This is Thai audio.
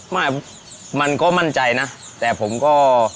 ไม่มันก็มั่นใจนะแต่ผมก็